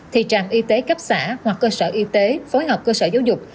thì trạm y tế cấp xã hoặc cơ sở y tế phối hợp cơ sở giáo dục